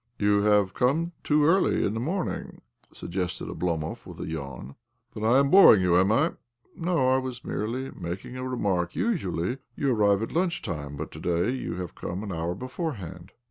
" You have come too early in the morn ing," suggested Oblomov with a yawn. " Then I am boring you, am I ?"" No ; I was merely making a remark. Usually you arrive at lunch time, but to day you have come an hour beforehand."